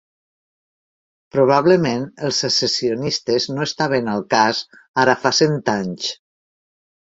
Probablement els secessionistes no estaven al cas ara fa cent anys.